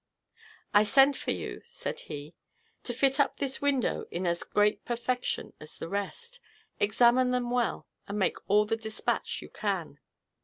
"I sent for you," said he, "to fit up this window in as great perfection as the rest. Examine them well, and make all the despatch you can."